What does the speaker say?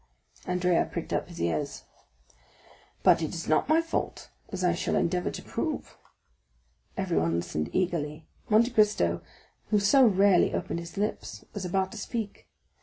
Andrea pricked up his ears. "But it is not my fault, as I shall endeavor to prove." Everyone listened eagerly; Monte Cristo who so rarely opened his lips, was about to speak.